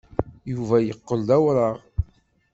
Yuba yeqqel d awraɣ.